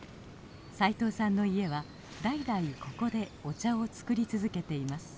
斉藤さんの家は代々ここでお茶を作り続けています。